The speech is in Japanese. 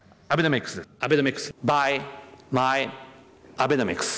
アベノミクス、アベノミクス。